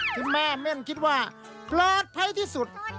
ที่แม่เม่นคิดว่าปลอดภัยที่สุด